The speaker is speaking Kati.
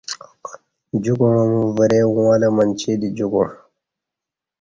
جوکُعاں وری اُݣہ لہ ماچ دی جوکُع